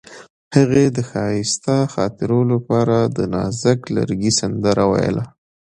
هغې د ښایسته خاطرو لپاره د نازک لرګی سندره ویله.